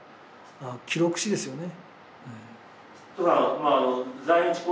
記録史ですよね